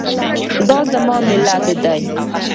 دا زموږ ملت ده